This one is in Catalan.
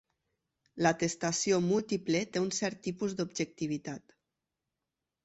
L'atestació múltiple té un cert tipus d'objectivitat.